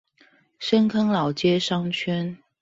深坑老街商圈